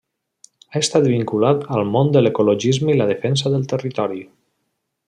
Ha estat vinculat al món de l'ecologisme i la defensa del territori.